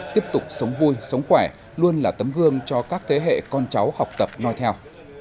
tiếp tục sống vui sống khỏe luôn là tấm gương cho các thế hệ con cháu học tập nói theo